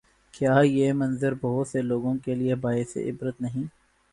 کیا یہ منظر بہت سے لوگوں کے لیے باعث عبرت نہیں؟